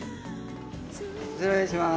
失礼します。